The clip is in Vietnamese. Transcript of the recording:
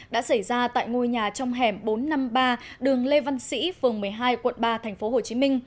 đã xảy ra tại ngôi nhà trong hẻm bốn trăm năm mươi ba đường lê văn sĩ phường một mươi hai quận ba tp hcm